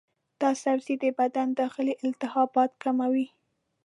دا سبزی د بدن داخلي التهابات کموي.